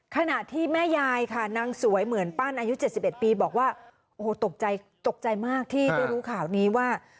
ขณะที่แม่ยายค่ะนางสวยเหมือนปั้นอายุ๗๑ปีบอกว่าโอ้โหตกใจตกใจมากที่ได้รู้ข่าวนี้ว่า